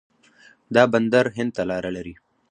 دا بندر هند ته لاره لري.